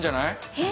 えっ？